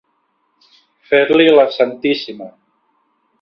Fer-li la santíssima.